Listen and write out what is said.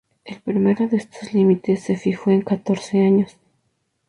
el primero de estos límites se fijó en catorce años